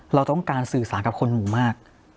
เราต้องการสื่อสารกับคนหมู่มาก